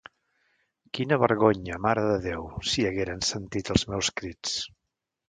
Quina vergonya, Mare de Déu, si hagueren sentit els meus crits!